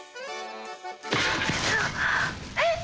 えっ？